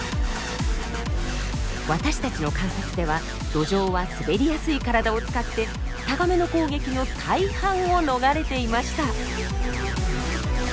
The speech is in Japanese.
私たちの観察ではドジョウは滑りやすい体を使ってタガメの攻撃の大半を逃れていました。